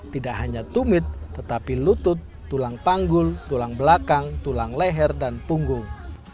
tidak hanya tumit tetapi lutut tulang panggul tulang belakang tulang leher dan punggung